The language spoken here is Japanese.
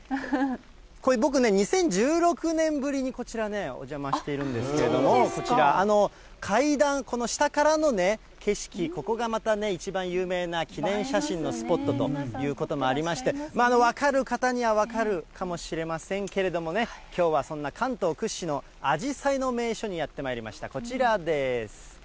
これ僕ね、２０１６年ぶりにこちらね、お邪魔しているんですけれども、こちら階段、この下からの景色、ここがまたね、一番有名な記念写真のスポットということもありまして、分かる方には分かるかもしれませんけれどもね、きょうはそんな関東屈指のあじさいの名所にやってまいりました、こちらです。